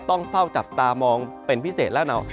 ต้องเฝ้าจับตามองเป็นพิเศษแล้วนะ